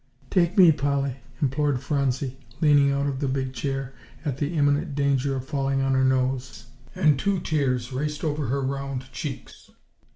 "Take me, Polly," implored Phronsie, leaning out of the big chair at the imminent danger of falling on her nose, and two tears raced over her round cheeks.